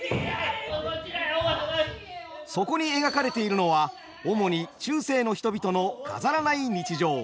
そこに描かれているのは主に中世の人々の飾らない日常。